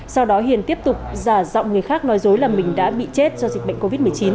sau đó hiền tiếp tục giả giọng người khác nói dối là mình đã bị chết do dịch bệnh covid một mươi chín